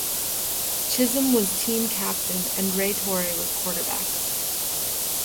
Chism was team captain and Ray Torrey was quarterback.